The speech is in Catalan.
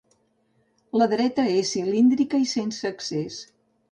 La dreta és cilíndrica i sense accés.